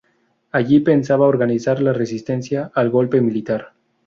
Allí pensaban organizar la resistencia al golpe militar.